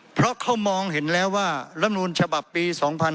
เพราะเขามองเห็นแล้วว่าลำนูลฉบับปี๒๕๕๙